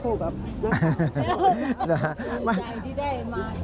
ภูมิใจที่ได้มาก่อนด้วย